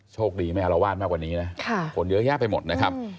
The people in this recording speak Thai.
โชคดีไม่อารวาสมากกว่านี้นะคนเยอะแยะไปหมดนะครับ